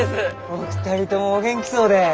お二人ともお元気そうで！